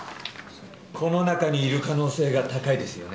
この中にいる可能性が高いですよね？